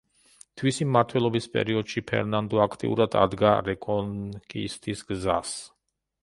თვისი მმართველობის პერიოდში ფერნანდო აქტიურად ადგა რეკონკისტის გზას.